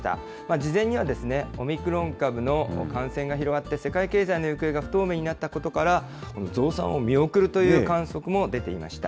事前にはですね、オミクロン株の感染が広がって、世界経済の行方が不透明になったことから、この増産を見送るという観測も出ていました。